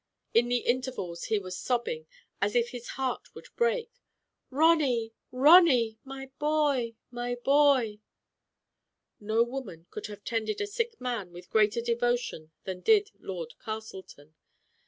In the intervals he was sobbing, as if his heart would break, Ronny, Ronny, my boy, my boy! No woman could have tended a sick man with greater devotion than did Lord Castleton.